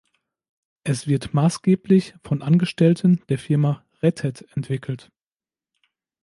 Es wird maßgeblich von Angestellten der Firma "Red Hat" entwickelt.